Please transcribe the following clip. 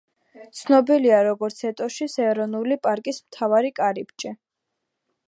ცნობილია, როგორც ეტოშის ეროვნული პარკის მთავარი კარიბჭე.